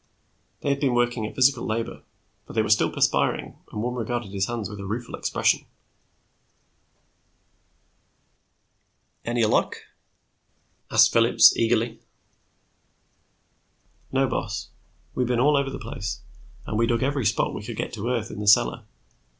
They had been working at physical labor, for they were still perspiring and one regarded his hands with a rueful expression. "Any luck?" asked Phillips eagerly. "No, boss. We been all over the place, and we dug every spot we could get to earth in the cellar.